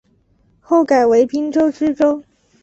后改为滨州知州。